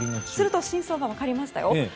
すると真相が分かりましたよ。